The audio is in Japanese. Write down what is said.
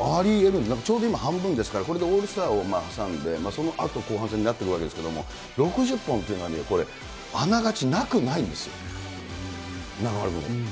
ありえる、なんかちょうど今、半分ですから、これでオールスターを挟んで、そのあと後半戦になっていくわけですけれども、６０本というのはこれ、あながち、なくないんですよ、中丸君。